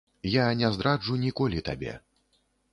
Я не здраджу ніколі табе.